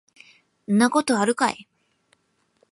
そんなことあるかい